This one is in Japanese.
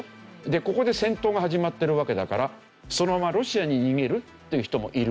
でここで戦闘が始まってるわけだからそのままロシアに逃げるっていう人もいるわけですね。